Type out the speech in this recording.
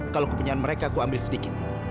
kalau kupunyaan mereka aku ambil sedikit